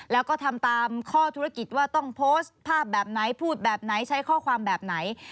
แล้วก็ทำตามข้อธุรกิจว่าต้องโพสต์ภาพแบบไหนพูดแบบไหนใช้ข้อความแบบไหน